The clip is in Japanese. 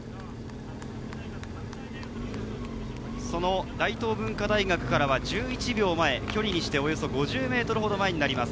その大東文化大学からは１１秒前、距離にしておよそ５０ｍほど前になります。